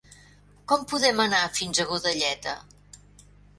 Com podem anar fins a Godelleta?